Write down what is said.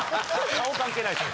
顔関係ないですよ。